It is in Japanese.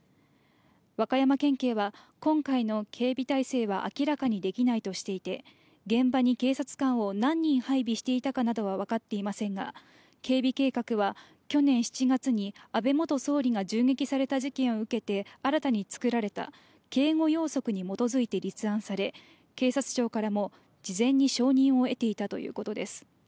和歌山県警は、今回の警備体制は明らかにできないとしていて、現場に警察官を何人配備していたかなどは分かっていませんが警備計画は去年７月に安倍元総理が銃撃された事件を受けて新たに作られた警護要則に基づいて立案され警察庁からも事前に承認を得ていたということです。